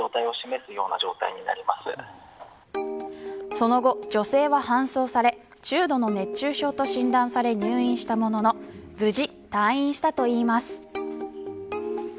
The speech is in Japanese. その後、女性は搬送され中度の熱中症と診断され入院したものの無事に退院したといいます。